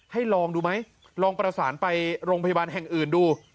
ลองดูไหมลองประสานไปโรงพยาบาลแห่งอื่นดู